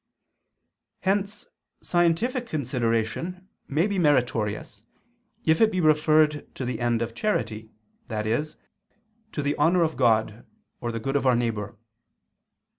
Hence scientific consideration may be meritorious if it be referred to the end of charity, i.e. to the honor of God or the good of our neighbor.